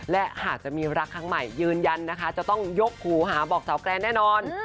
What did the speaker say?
และหากจะมีรักครั้งใหม่ยืนยันนะคะจะต้องยกหูหาบอกสาวแกรนแน่นอน